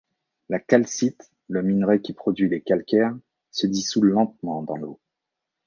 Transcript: La calcite, le minerai qui produit les calcaires, se dissout lentement dans l'eau.